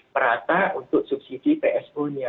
perata untuk subsidi psu nya